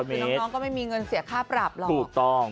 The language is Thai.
คือน้องก็ไม่มีเงินเสียค่าปรับหรอกถูกต้อง